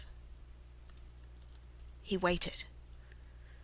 V He waited.